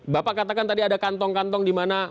bapak katakan tadi ada kantung kantung dimana